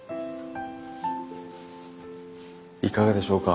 いかがでしょうか？